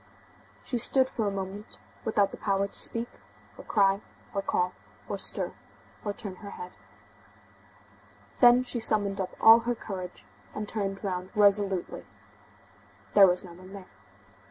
She stood for a moment without the power to speak, or cry, or call, or stir, or turn her head. Then she summoned up all her courage, and turned round resolutely. There was no one there.